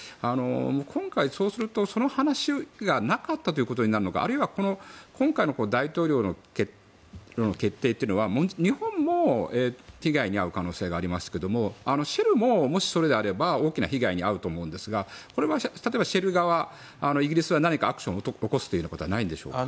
今回、そうするとその話がなかったということになるのかあるいは今回の大統領の決定というのは日本も被害に遭う可能性がありますがシェルも、もしそうであれば大きな被害に遭うと思うんですがこれは例えばシェル側イギリスは何かアクションを起こすということはないんでしょうか？